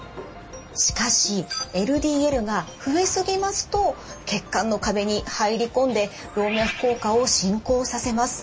しかしＬＤＬが増えすぎますと血管の壁に入り込んで動脈硬化を進行させます。